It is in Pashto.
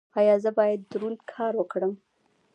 ایا زه باید دروند کار وکړم؟